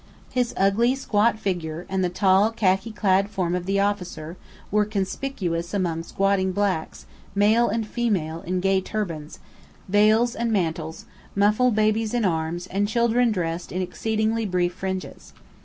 His ugly squat figure, and the tall, khaki clad form of the officer, were conspicuous among squatting blacks, male and female, in gay turbans, veils, and mantles, muffled babies in arms, and children dressed in exceedingly brief fringes.